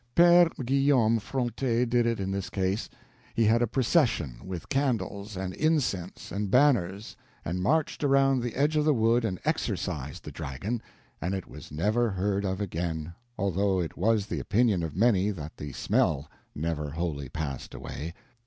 Pere Guillaume Fronte did it in this case. He had a procession, with candles and incense and banners, and marched around the edge of the wood and exorcised the dragon, and it was never heard of again, although it was the opinion of many that the smell never wholly passed away.